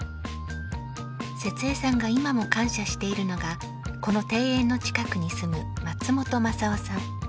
節江さんが今も感謝しているのがこの庭園の近くに住む松本雅夫さん。